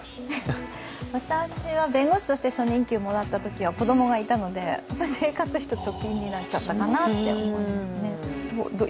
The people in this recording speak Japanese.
私は弁護士として初任給もらったときは子供がいたので生活費と貯金になっちゃったかなと思いますね。